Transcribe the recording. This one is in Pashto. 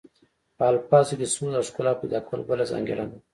په الفاظو کې سوز او ښکلا پیدا کول بله ځانګړنه ده